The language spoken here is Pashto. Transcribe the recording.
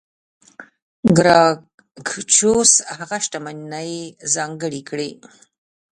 ګراکچوس هغه شتمنۍ ځانګړې کړې.